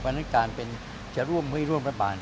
เพราะฉะนั้นการเป็นจะร่วมไม่ร่วมรัฐบาล